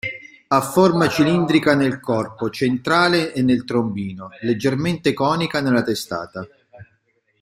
Ha forma cilindrica nel corpo centrale e nel trombino, leggermente conica nella testata.